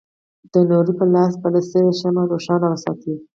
د نوري په لاس بله شوې شمعه روښانه وساتي.